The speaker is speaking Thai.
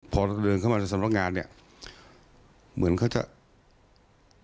พอเราเดินเข้ามาในสำนักงานเนี่ยเหมือนเขาจะ